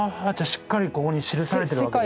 しっかりここに記されてるわけですね。